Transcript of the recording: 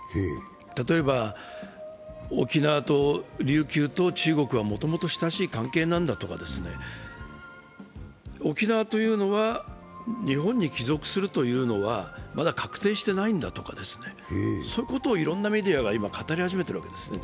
例えば沖縄、琉球と中国はもともと親しい関係なんだとか、沖縄というのは日本に帰属するというのはまだ確定していないんだとかそういうことをいろいろなメディアが今語り始めているんですね。